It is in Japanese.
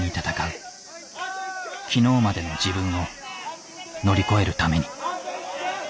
昨日までの自分を乗り越えるために。